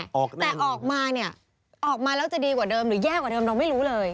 ออกมาแต่ออกมาเนี่ยออกมาแล้วจะดีกว่าเดิมหรือแย่กว่าเดิมเราไม่รู้เลย